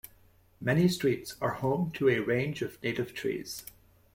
Many streets are home to a range of native trees.